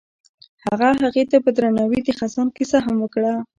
هغه هغې ته په درناوي د خزان کیسه هم وکړه.